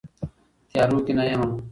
تيارو كي نه يمه